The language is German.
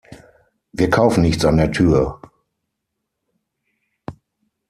Wir kaufen nichts an der Tür!